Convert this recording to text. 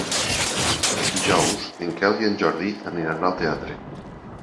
Dijous en Quel i en Jordi aniran al teatre.